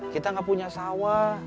kita gak punya sawah